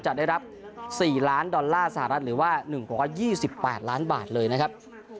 จะได้รับ๔ล้านดอลลาร์สหรัฐหรือว่า๑๒๘ล้านบาทเลยนะครับ